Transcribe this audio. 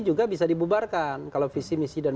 juga bisa dibubarkan kalau visi misi dan